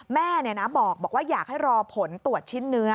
แม่บอกว่าอยากให้รอผลตรวจชิ้นเนื้อ